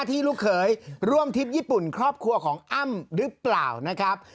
ลูกเขยร่วมทิศญี่ปุ่นครอบครัวของอ้ำหรือเปล่านะครับ